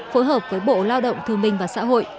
phối hợp với bộ lao động thương minh và xã hội